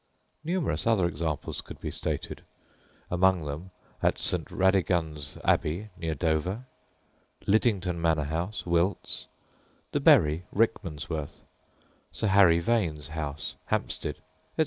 Numerous other examples could be stated, among them at St. Radigund's Abbey, near Dover; Liddington Manor House, Wilts; the Bury, Rickmansworth; "Sir Harry Vane's House," Hampstead, etc.